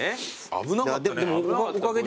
危なかったね。